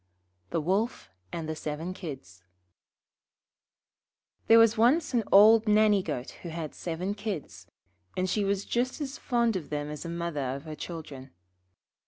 The Wolf and the Seven Kids There was once an old Nanny goat who had seven Kids, and she was just as fond of them as a mother of her children.